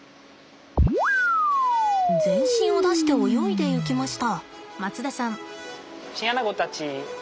全身を出して泳いでいきました。